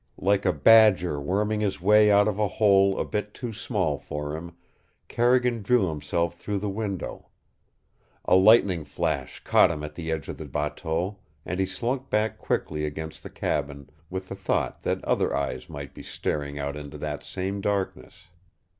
Like a badger worming his way out of a hole a bit too small for him, Carrigan drew himself through the window. A lightning flash caught him at the edge of the bateau, and he slunk back quickly against the cabin, with the thought that other eyes might be staring out into that same darkness.